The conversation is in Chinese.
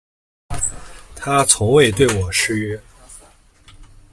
他从未对我失约